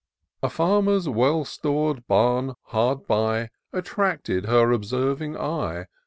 A farmer's well stor'd barn, hard by. Attracted her observing eye.